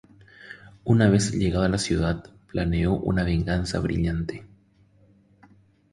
Una vez llegado a la ciudad planeó una venganza brillante.